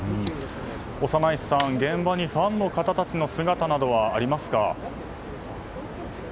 小山内さん、現場にファンの方の姿はありますか？